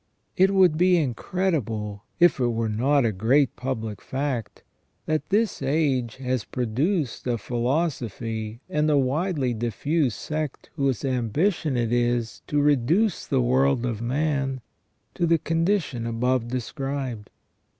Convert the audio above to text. * It would be incredible, if it were not a great public fact, that this age has produced a philosophy and a widely diffused sect whose ambition it is to reduce the world of man to the condition above described.